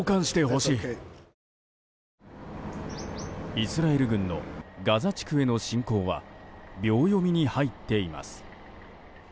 イスラエル軍のガザ地区への侵攻は秒読みに入っています。